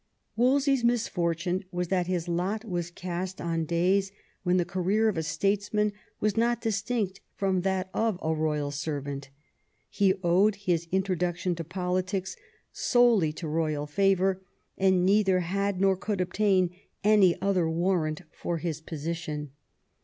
Wolse/s misfortune was that his lot was cast on days when the career of a statesman was not distinct from that of a royal servant. He owed his intro duction to politics solely to royal favour, and neither had nor could obtain any other warrant for his position.